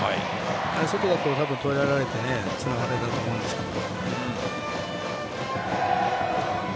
外だととらえられてつながれたと思うんですけど。